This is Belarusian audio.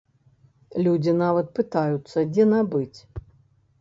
Людзі нават пытаюцца, дзе набыць.